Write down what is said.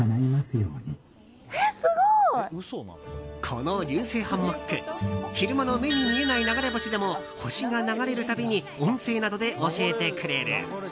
この流星ハンモック昼間の目に見えない流れ星でも星が流れるたびに音声などで教えてくれる。